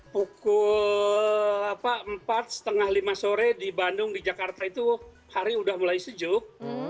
pukul empat lima sore di bandung di jakarta itu hari sudah mulai sejuk